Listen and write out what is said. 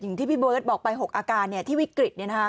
ที่พี่เบิร์ตบอกไป๖อาการที่วิกฤต